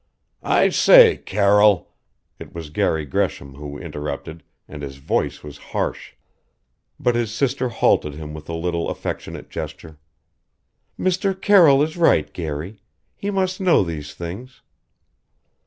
"I say, Carroll " It was Garry Gresham who interrupted and his voice was harsh. But his sister halted him with a little affectionate gesture "Mr. Carroll is right, Garry: he must know these things."